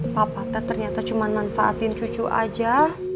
papa teh ternyata cuman manfaatin cucu aja